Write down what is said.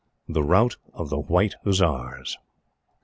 THE ROUT OF THE WHITE HUSSARS.